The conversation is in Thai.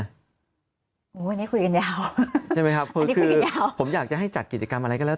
วันนี้คุยกันยาวใช่ไหมครับคือผมอยากจะให้จัดกิจกรรมอะไรก็แล้ว